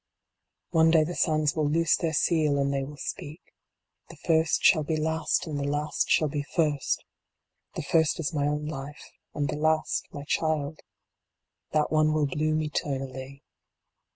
One day the sands will loose their seal, and they will speak. The first shall be last and the last shall be first The first is my own life and the last my child. That one will bloom eternally.